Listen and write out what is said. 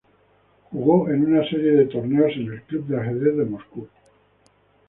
Jugó en una serie de torneos en el Club de Ajedrez de Moscú.